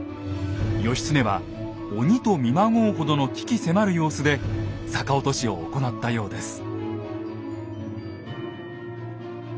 義経は鬼と見まごうほどの鬼気迫る様子で逆落としを行ったようです。